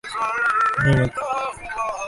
আমি এইমাত্র ওদের ঘুম পাড়িয়ে আসছি।